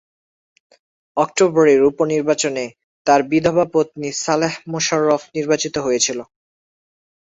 অক্টোবরের উপনির্বাচনে তার বিধবা পত্নী সালেহ মোশাররফ নির্বাচিত হয়েছিল।